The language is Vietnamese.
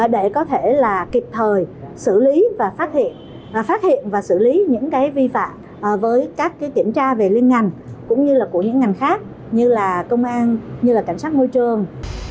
để có thể là kịp thời xử lý và phát hiện và xử lý những cái vi phạm với các kiểm tra về liên ngành cũng như là của những ngành khác như là công an như là cảnh sát môi trường